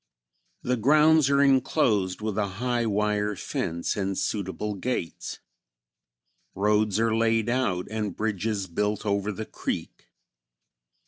The grounds are inclosed with a high wire fence and suitable gates. Roads are laid out and bridges built over the creek.